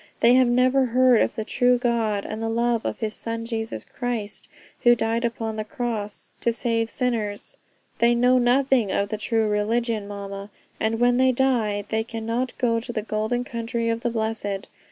They have never heard of the true God, and the love of his Son Jesus Christ, who died upon he cross to save sinners. They know nothing of the true religion, mama; and when they die they cannot go to the golden country of the blessed.